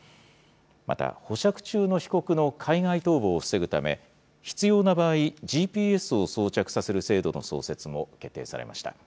また、保釈中の被告の海外逃亡を防ぐため、必要な場合、ＧＰＳを装着させる制度の創設も決定されました。